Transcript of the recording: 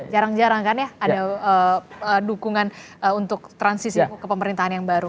jarang jarang kan ya ada dukungan untuk transisi ke pemerintahan yang baru